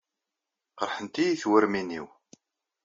Qerḥent-iyi twermin-innu.